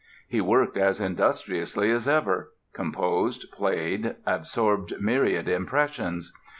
He worked as industriously as ever—composed, played, absorbed myriad impressions.